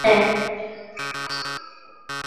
নিচে আমরা mean absolute error নির্ণয়ের একটি পদ্ধতি দেখবো।